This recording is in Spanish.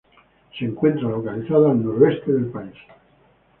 Se encuentra localizada al noreste del país.